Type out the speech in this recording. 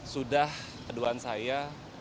sudah keduan saya